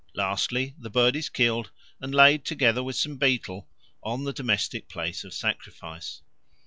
Lastly, the bird is killed and laid, together with some betel, on the domestic place of sacrifice.